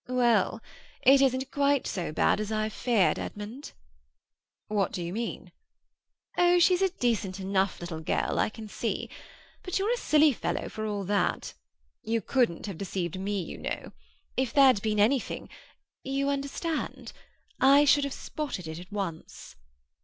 "Well, it isn't quite so bad as I feared, Edmund." "What do you mean?" "Oh, she's a decent enough little girl, I can see. But you're a silly fellow for all that. You couldn't have deceived me, you know. If there'd been anything—you understand?—I should have spotted it at once."